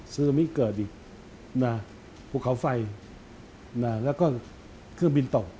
ซื้อไม่เกิดอีกนะภูเขาไฟแล้วก็เครื่องบินตก